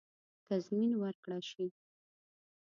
تضمین ورکړه شي.